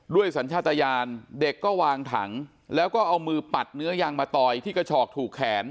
สัญชาติยานเด็กก็วางถังแล้วก็เอามือปัดเนื้อยางมาต่อยที่กระฉอกถูกแขน